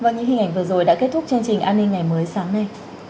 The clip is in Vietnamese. và những hình ảnh vừa rồi đã kết thúc chương trình an ninh ngày mới sáng nay